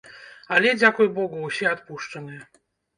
Але, дзякуй богу, усе адпушчаныя.